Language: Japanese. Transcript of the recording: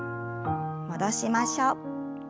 戻しましょう。